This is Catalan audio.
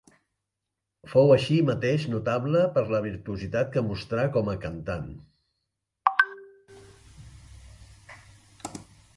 Fou així mateix notable per la virtuositat que mostrà com a cantant.